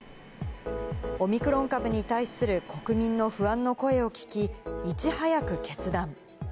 オミクロン株に対する国民の不安の声を聞き、いち早く決断。